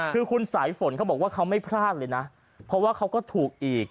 คือคุณสายฝนเขาบอกว่าเขาไม่พลาดเลยนะเพราะว่าเขาก็ถูกอีก